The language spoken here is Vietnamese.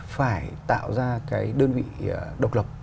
phải tạo ra cái đơn vị độc lập